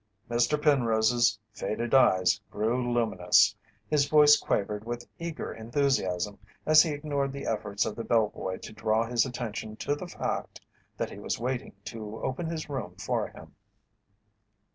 Mr. Penrose's faded eyes grew luminous. His voice quavered with eager enthusiasm as he ignored the efforts of the bell boy to draw his attention to the fact that he was waiting to open his room for him.